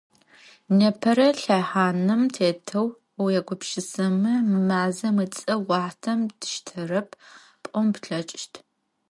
Непэрэ лъэхъаным тетэу уегупшысэмэ, мы мазэм ыцӏэ уахътэм диштэрэп пӏон плъэкӏыщт.